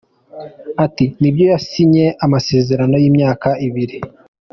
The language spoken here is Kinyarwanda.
Ati “Nibyo yasinye amasezerano y’imyaka ibiri.